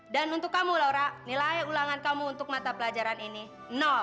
dan untuk kamu laura nilai ulangan kamu untuk mata pelajaran ini nol